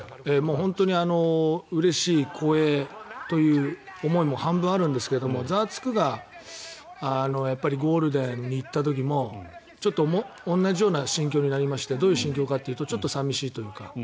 本当にうれしい声という思いも半分あるんですが「ザワつく！」がゴールデンに行った時もちょっと同じような心境になりましてどういう心境かというかちょっと寂しいというか。